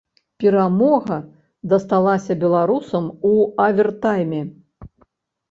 Перамога дасталася беларусам у авертайме.